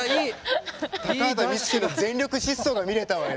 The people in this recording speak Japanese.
高畑充希の全力疾走が見れたわよ